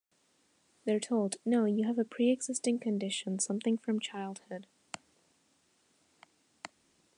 They're told, 'No, you have a pre-existing condition, something from childhood.